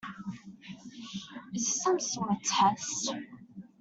Is this some sort of test?